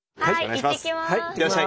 いってらっしゃい。